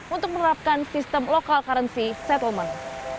untuk menerapkan sistem local currency settlement